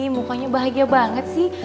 mukanya bahagia banget sih